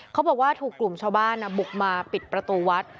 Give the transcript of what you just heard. เขาบอกว่าถูกกลุ่มชาวบ้านบุกมาปิดประตูวัด